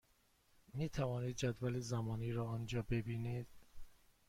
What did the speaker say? می توانید جدول زمانی را آنجا ببینید.